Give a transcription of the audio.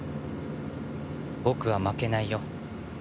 僕は負けないよ。